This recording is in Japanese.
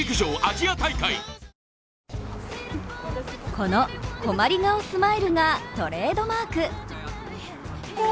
この困り顔スマイルがトレードマーク。